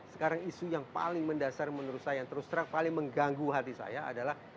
sekarang isu yang paling mendasar menurut saya yang terus terang paling mengganggu hati saya adalah